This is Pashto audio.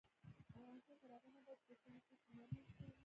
افغانستان تر هغو نه ابادیږي، ترڅو نفوس شمېرنه کره نشي.